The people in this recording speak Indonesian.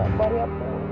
sabar ya pur